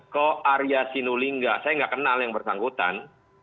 kok arya sinulinga saya nggak kenal yang bersangkutan